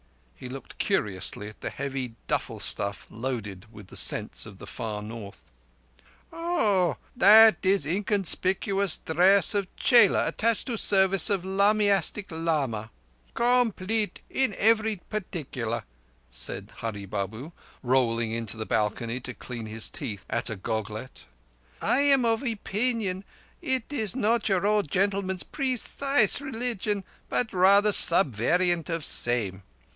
He looked curiously at the heavy duffle stuff loaded with the scents of the far North. "Oho! That is inconspicuous dress of chela attached to service of lamaistic lama. _Com_plete in every particular," said Hurree Babu, rolling into the balcony to clean his teeth at a goglet. "I am of opeenion it is not your old gentleman's precise releegion, but rather sub variant of same.